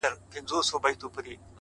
• تر قیامته ورته نه سم ټینګېدلای,